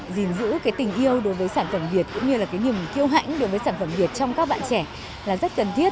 gìn giữ tình yêu đối với sản phẩm việt cũng như là nhiều kiêu hãnh đối với sản phẩm việt trong các bạn trẻ là rất cần thiết